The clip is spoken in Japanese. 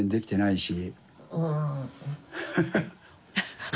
ハハハ